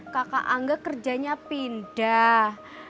kakak angga kerjanya pindah